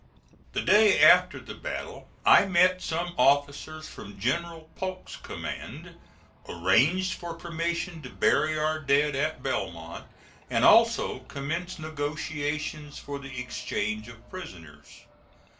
The day after the battle I met some officers from General Polk's command, arranged for permission to bury our dead at Belmont and also commenced negotiations for the exchange of prisoners.